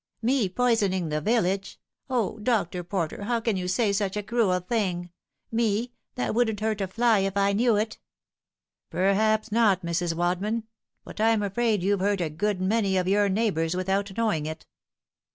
" Me poisoning the village ! O Dr. Porter, how can you say such a cruel thing ? Me, that wouldn't hurt a fly if I knew it !"" Perhaps not, Mrs. Wadman ; but I'm afraid you've hurt a good many of your neighbours without knowing it."